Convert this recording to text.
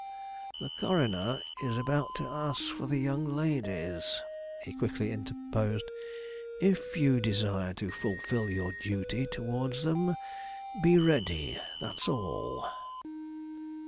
"The coroner is about to ask for the young ladies," he quickly interposed. "If you desire to fulfil your duty towards them, be ready, that's all."